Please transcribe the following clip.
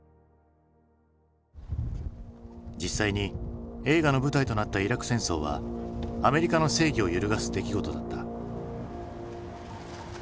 実際に映画の舞台となったイラク戦争はアメリカの正義を揺るがす出来事だった。